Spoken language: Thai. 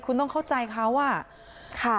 คุณต้องเข้าใจเขาอ่ะค่ะ